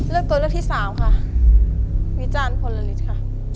เลือกตัวเลือกที่สามค่ะวิจารณ์พลลิสค่ะ